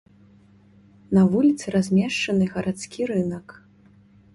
На вуліцы размешчаны гарадскі рынак.